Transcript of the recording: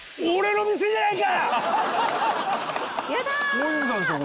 大泉さんでしょ